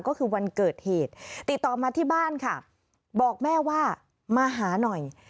ก็คือวันเกิดเหตุติดต่อมาที่บ้านค่ะบอกแม่ว่ามาหาหน่อย